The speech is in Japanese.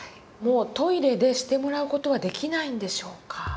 もうトイレでしてもらう事はできないんでしょうか。